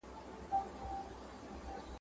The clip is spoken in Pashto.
تخمونه او سرې باید په خپل وخت ورسیږي.